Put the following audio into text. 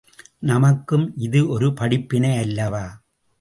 நமக்கும் இது ஒரு படிப்பினை அல்லவா?